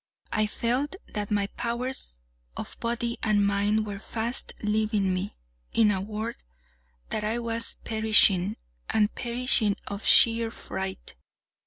I felt that my powers of body and mind were fast leaving me—in a word, that I was perishing, and perishing of sheer fright.